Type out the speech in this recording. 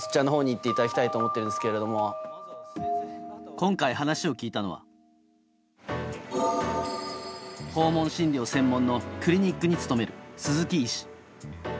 今回、話を聞いたのは訪問診療専門のクリニックに勤める鈴木医師。